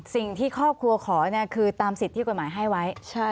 สิ่งที่ครอบครัวขอคือตามสิทธิ์ที่กฎหมายให้ไว้